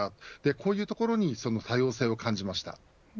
こういうところに多様性を感じました。